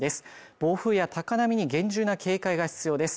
暴風や高波に厳重な警戒が必要です